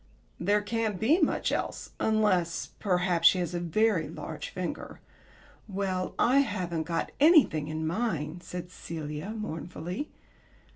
"There can't be much else unless perhaps she has a very large finger." "Well, I haven't got anything in mine," said Celia, mournfully.